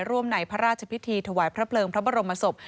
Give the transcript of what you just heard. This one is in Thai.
ในพระราชพิธีถวายพระเพลิงพระบรมศพ